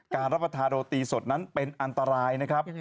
รับประทานโรตีสดนั้นเป็นอันตรายนะครับ